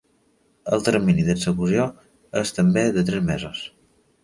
El termini d’execució és també de tres mesos.